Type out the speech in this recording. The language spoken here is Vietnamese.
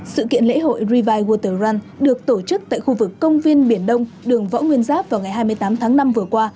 sự kiện lễ hội revie worter răn được tổ chức tại khu vực công viên biển đông đường võ nguyên giáp vào ngày hai mươi tám tháng năm vừa qua